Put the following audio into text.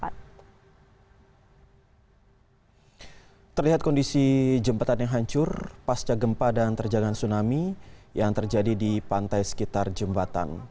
terlihat kondisi jembatan yang hancur pasca gempa dan terjangan tsunami yang terjadi di pantai sekitar jembatan